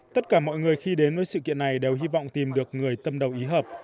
tất cả mọi người khi đến với sự kiện này đều hy vọng tìm được người tâm đầu ý hợp